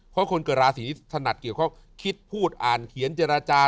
เพราะคนเกิดราศีนี้ถนัดเกี่ยวข้องคิดพูดอ่านเขียนเจรจา